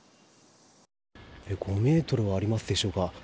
５ｍはありますでしょうか。